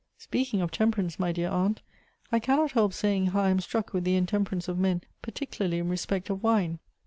" Speaking of temperance, my dear aunt, I cannot help saying how I am struck with the intemperance of men, particularly in respect of wine.